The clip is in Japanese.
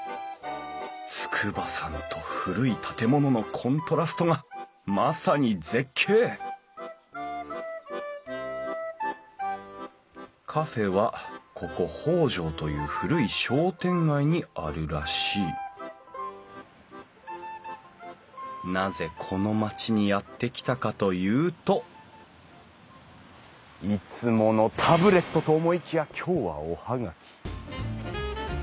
筑波山と古い建物のコントラストがまさに絶景カフェはここ北条という古い商店街にあるらしいなぜこの町にやって来たかというといつものタブレットと思いきや今日はお葉書。